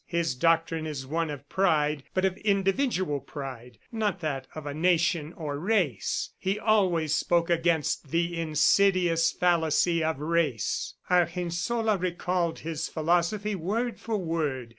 His doctrine is one of pride, but of individual pride, not that of a nation or race. He always spoke against 'the insidious fallacy of race.'" Argensola recalled his philosophy word for word.